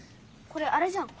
これあれじゃん。